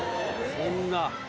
そんな。